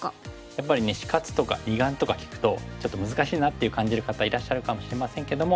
やっぱりね死活とか二眼とか聞くとちょっと難しいなって感じる方いらっしゃるかもしれませんけども。